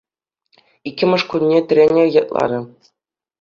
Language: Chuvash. Иккӗмӗш кунне тренер ятларӗ.